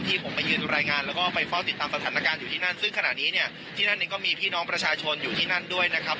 ผมไปยืนรายงานแล้วก็ไปเฝ้าติดตามสถานการณ์อยู่ที่นั่นซึ่งขณะนี้เนี่ยที่นั่นเองก็มีพี่น้องประชาชนอยู่ที่นั่นด้วยนะครับ